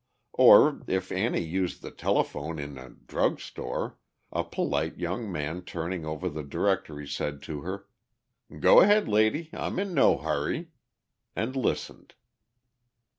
Or if Annie used the telephone in a drug store, a polite young man turning over the directory said to her, "Go ahead, lady—I'm in no hurry," and listened.